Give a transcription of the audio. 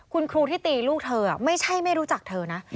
คุณครูที่ตีลูกเธอไม่ใช่ไม่รู้จักเธอนะ